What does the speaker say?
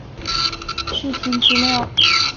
视听资料